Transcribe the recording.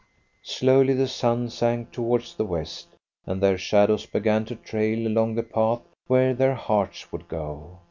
Slowly the sun sank towards the west, and their shadows began to trail along the path where their hearts would go.